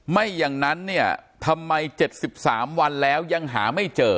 ไม่อย่างนั้นเนี่ยทำไม๗๓วันแล้วยังหาไม่เจอ